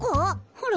ほら。